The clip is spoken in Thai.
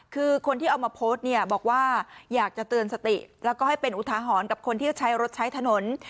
คือคนที่เอามาโพสต์เนี่ยบอกว่าอยากจะเตือนสติแล้วก็ให้เป็นอุทาหรณ์กับคนที่จะใช้รถใช้ถนน